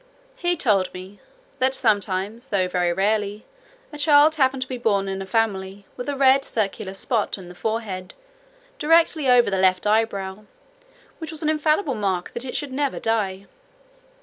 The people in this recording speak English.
He told me "that sometimes, though very rarely, a child happened to be born in a family, with a red circular spot in the forehead, directly over the left eyebrow, which was an infallible mark that it should never die."